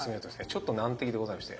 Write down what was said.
ちょっと難敵でございまして。